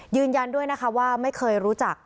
ยืนยันด้วยนะคะว่าไม่เคยรู้จัก